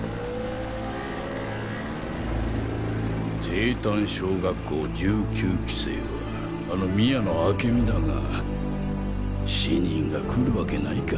帝丹小学校１９期生はあの宮野明美だが死人が来るわけないか